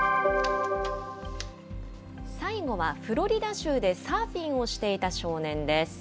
最後はフロリダ州でサーフィンをしていた少年です。